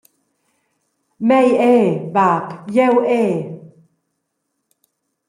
Mei era, bab jeu era!